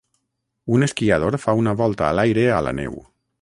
Un esquiador fa una volta a l'aire a la neu.